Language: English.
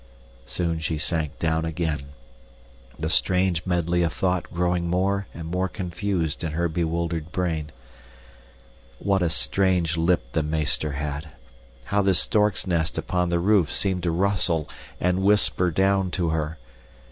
Soon she sank down again, the strange medley of thought growing more and more confused in her bewildered brain. What a strange lip the meester had! How the stork's nest upon the roof seemed to rustle and whisper down to her!